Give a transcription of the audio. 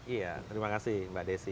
iya terima kasih mbak desi